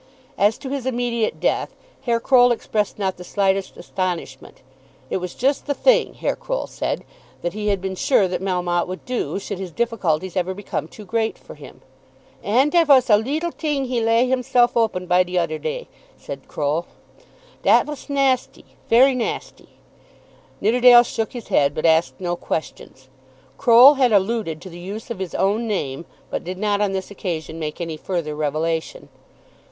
As to his immediate death, Herr Croll expressed not the slightest astonishment. It was just the thing, Herr Croll said, that he had been sure that Melmotte would do, should his difficulties ever become too great for him. "And dere vas a leetle ting he lay himself open by de oder day," said Croll, "dat vas nasty, very nasty." Nidderdale shook his head, but asked no questions. Croll had alluded to the use of his own name, but did not on this occasion make any further revelation.